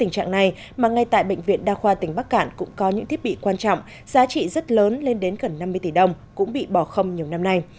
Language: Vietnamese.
tình trạng này mà ngay tại bệnh viện đa khoa tỉnh bắc cản cũng có những thiết bị quan trọng giá trị rất lớn lên đến gần năm mươi tỷ đồng cũng bị bỏ không nhiều năm nay